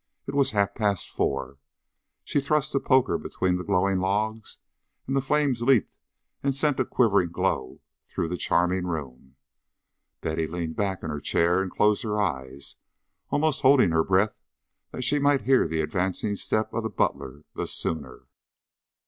It was half past four. She thrust the poker between the glowing logs, and the flames leaped and sent a quivering glow through the charming room. Betty leaned back in her chair and closed her eyes, almost holding her breath that she might hear the advancing step of the butler the sooner.